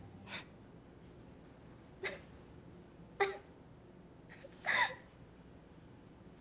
あっ。